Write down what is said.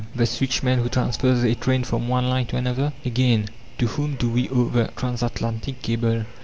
The switchman who transfers a train from one line to another? Again, to whom do we owe the transatlantic cable?